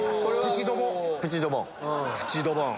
プチドボン？